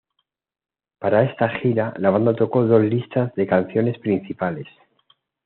Para esta gira, la banda tocó dos listas de canciones principales.